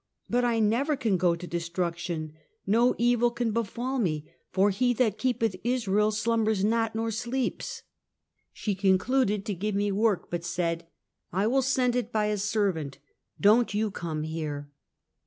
" But I never can go to destruction ! 'No evil can befall me, for He that keepeth Israel slumbers not nor sleeps." Kentucky Contempt foe Labok. 61 She concluded to give me work, but said: " I will send it by a servant. Don't you come here."